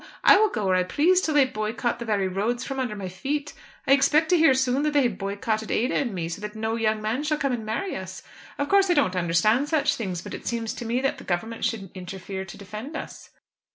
I will go where I please till they boycott the very roads from under my feet. I expect to hear soon that they have boycotted Ada and me, so that no young man shall come and marry us. Of course, I don't understand such things, but it seems to me that the Government should interfere to defend us."